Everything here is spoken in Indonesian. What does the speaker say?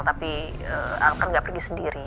tapi al kan nggak pergi sendiri